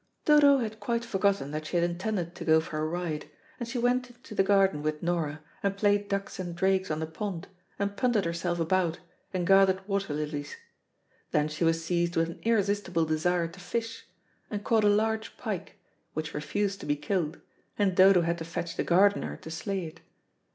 Dodo had quite forgotten that she had intended to go for a ride, and she went into the garden with Nora, and played ducks and drakes on the pond, and punted herself about, and gathered water lilies. Then she was seized with an irresistible desire to fish, and caught a large pike, which refused to be killed, and Dodo had to fetch the gardener to slay it.